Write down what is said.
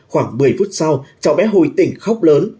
khoảng một mươi phút sau cháu bé hồi tỉnh khóc lớn